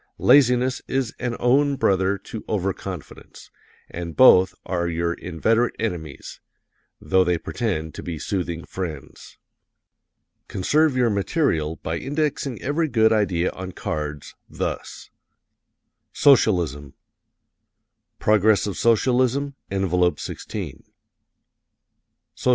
Laziness is an own brother to Over confidence, and both are your inveterate enemies, though they pretend to be soothing friends. Conserve your material by indexing every good idea on cards, thus: [HW: Socialism Progress of S., Env. 16 S.